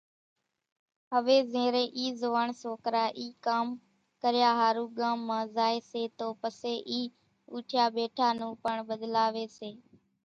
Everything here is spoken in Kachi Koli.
هويَ زيرين اِي زوئاڻ سوڪرا اِي ڪام ڪريا ۿارُو ڳامان زائيَ سيَ تو پسيَ اِي اوٺِيا ٻيٺا نون پڻ ٻۮلاوِي سي۔